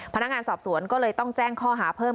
พนักงานสอบสวนก็เลยต้องแจ้งข้อหาเพิ่ม